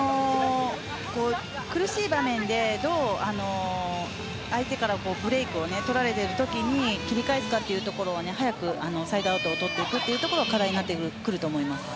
苦しい場面で相手から、どうブレークを取られているときに切り替えるかというところ早くサイドアウトを取るところが課題になってくると思います。